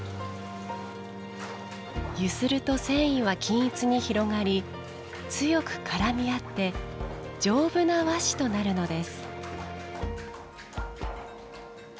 揺すると繊維は均一に広がり強く絡み合って丈夫な和紙となるのです。